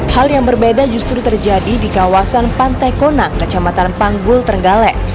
hal yang berbeda justru terjadi di kawasan pantai konang kecamatan panggul trenggalek